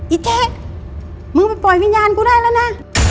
เจ๊มึงไปปล่อยวิญญาณกูได้แล้วนะ